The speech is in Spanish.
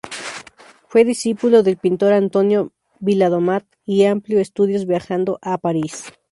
Fue discípulo del pintor Antonio Viladomat y amplió estudios viajando a París.